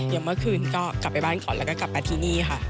อย่างเมื่อคืนก็กลับไปบ้านก่อนแล้วก็กลับมาที่นี่ค่ะ